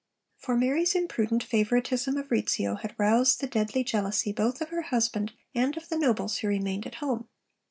For Mary's imprudent favouritism of Rizzio had roused the deadly jealousy both of her husband and of the nobles who remained at home.